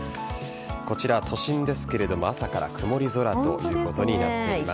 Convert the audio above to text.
こちら、都心ですが朝から曇り空ということになっています。